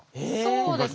そうです。